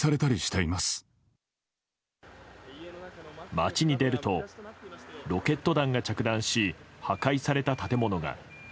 街に出るとロケット弾が着弾し破壊された建物が。